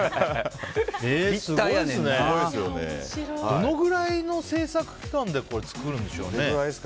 どのぐらいの制作期間で作るんでしょうね。